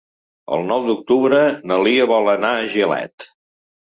El nou d'octubre na Lia vol anar a Gilet.